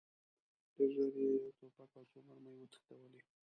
ډېر ژر یې یو توپک او څو مرمۍ وتښتولې.